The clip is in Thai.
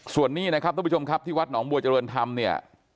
ส่วนนี้นะครับทุกผู้ชมครับที่วัดหนองบัวเจริญธรรมเนี่ย